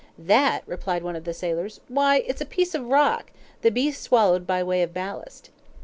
"That!" replied one of the sailors, "why, it's a piece of rock the beast swallowed by way of ballast."